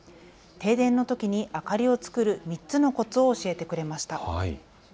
停電のときに明かりを作る３つのコツを教えてくれました。